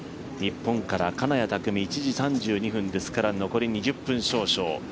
日本から金谷拓実１時３２分ですから残り２０分少々。